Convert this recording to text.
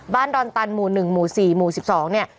ดอนตันหมู่๑หมู่๔หมู่๑๒เนี่ย